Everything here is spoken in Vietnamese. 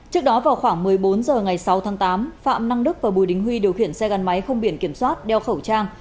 trước đó vào khoảng một mươi bốn h ngày sáu tháng tám phạm năng đức và bùi đình huy điều khiển xe gắn máy không biển kiểm soát đeo khẩu trang